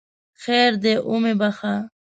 خیر دی ومې بخښه!